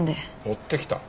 持ってきた？